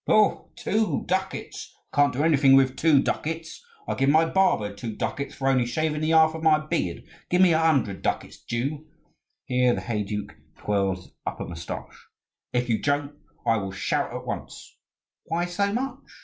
"Oho! two ducats! I can't do anything with two ducats. I give my barber two ducats for only shaving the half of my beard. Give me a hundred ducats, Jew." Here the heyduke twirled his upper moustache. "If you don't, I will shout at once." "Why so much?"